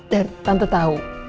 dan tante tahu